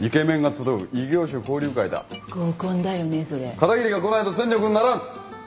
片桐が来ないと戦力にならん。